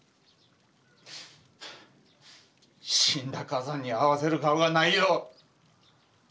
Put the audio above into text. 死んだ母さんに会わせる顔がないよ。